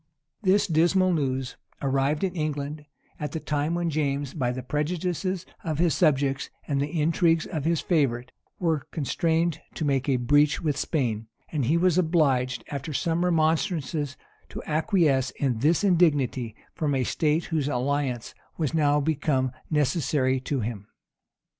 This dismal news arrived in England at the time when James, by the prejudices of his subjects and the intrigues of his favorite, was constrained to make a breach with Spain: and he was obliged, after some remonstrances, to acquiesce in this indignity from a state whose alliance was now become necessary to him.